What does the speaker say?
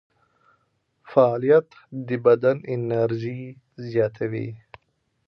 فعالیت د بدن انرژي زیاتوي.